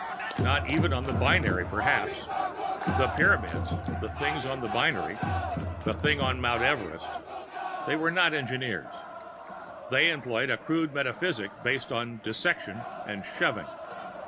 Not even on the binary, perhaps. The Pyramids, the things on the binary, the thing on Mount Everest they were not engineers. They employed a crude metaphysic based on dissection and shoving.